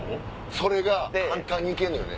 それが簡単に行けるのよね。